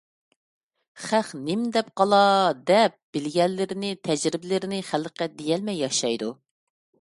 خەق نېمە دەپ قالار دەپ، بىلگەنلىرىنى، تەجرىبىلىرىنى خەلققە دېيەلمەي ياشايدۇ.